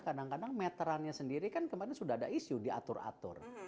kadang kadang meterannya sendiri kan kemarin sudah ada isu diatur atur